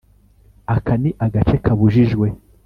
Aka ni agace kabujijwe